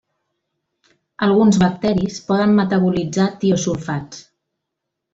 Alguns bacteris poden metabolitzar tiosulfats.